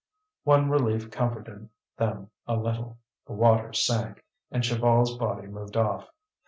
One relief comforted them a little: the water sank, and Chaval's body moved off.